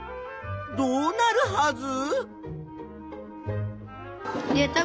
どうなるはず？